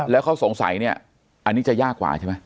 แล้วเขาสงสัยเนี่ยอันนี้จะยากกว่าใช่ไหม